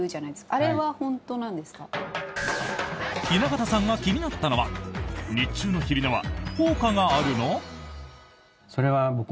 雛形さんが気になったのは日中の昼寝は効果があるの？